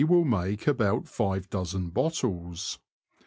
267 will make about five dozen bottles.